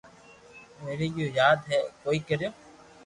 ويوي گيو ياد ھي ڪوئي ڪريو